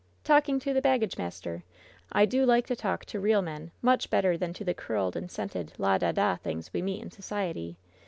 "Talking to the baggage master. I do like to talk to real men much better than to the curled and scented la da da things we meet in society.